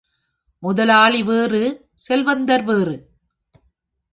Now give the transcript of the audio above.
முதலாளி வேறு செல்வந்தர் வேறு.